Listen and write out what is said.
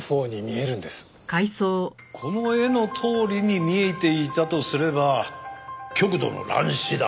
この絵のとおりに見えていたとすれば極度の乱視だ。